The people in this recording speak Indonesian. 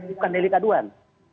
bukan delik aduan